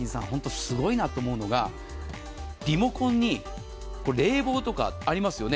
すごいなと思うのがリモコンに冷房とかありますよね。